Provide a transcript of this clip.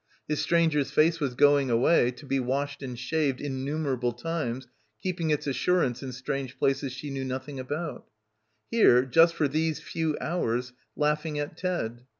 His stranger's face was going away, to be — 72 — BACKWATER washed and shaved innumerable times, keeping its assurance in strange places she knew nothing about. Here, just for these few hours, laughing at Ted.